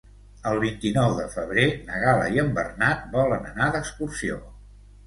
El vint-i-nou de febrer na Gal·la i en Bernat volen anar d'excursió.